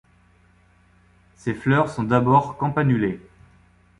Ses fleurs sont d'abord campanulées.